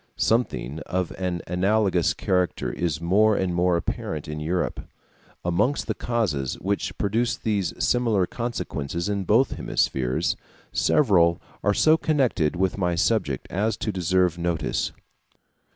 Something of an analogous character is more and more apparent in Europe. Amongst the causes which produce these similar consequences in both hemispheres, several are so connected with my subject as to deserve notice.